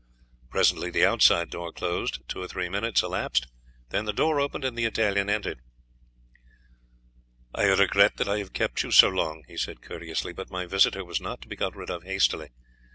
Presently the outside door closed, two or three minutes elapsed; then the door opened and the Italian entered. "I regret that I have kept you so long," he said courteously, "but my visitor was not to be got rid of hastily.